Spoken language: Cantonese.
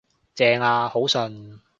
正呀，好順